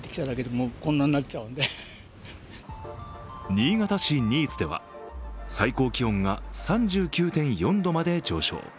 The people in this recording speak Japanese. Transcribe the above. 新潟市新津では最高気温が３９．４度まで上昇。